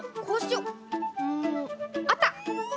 うんあった！